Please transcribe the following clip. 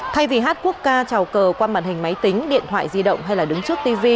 thay vì hát quốc ca trào cờ qua màn hình máy tính điện thoại di động hay là đứng trước tv